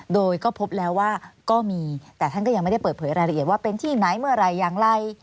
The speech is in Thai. โดยก็พบแล้วว่าก็มีแต่ท่านก็ยังไม่ได้เปิดเผยรายละเอียดว่าเป็นที่ไหนเมื่อไหร่อย่างไร